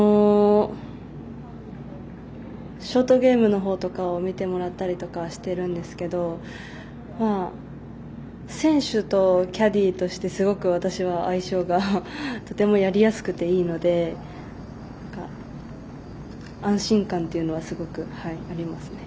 ショートゲームの方とか見てもらったりしてるんですけど選手とキャディーとしてすごく私は相性がとても、やりやすくていいので安心感っていうのはすごくありますね。